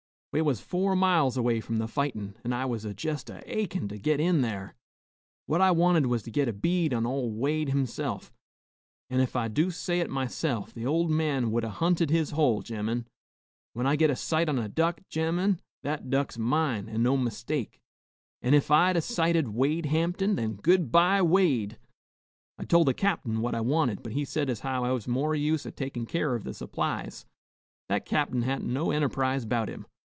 We was four miles away from the fightin,' an' I was jest a achin' to git in thar. What I wanted was to git a bead on ol' Wade himself, an' ef I do say it myself, the ol' man would 'a' hunted his hole, gemmen. When I get a sight on a duck, gemmen, that duck's mine, an' no mistake. An' ef I'd 'a' sighted Wade Hamptin, then good by Wade! I tol' the cap'n what I wanted, but he said as how I was more use a takin' keer of the supplies. That cap'n hadn't no enterprise 'bout him.